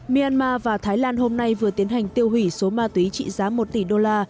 myanmar và thái lan hôm nay vừa tiến hành tiêu hủy số ma túy trị giá một tỷ đô la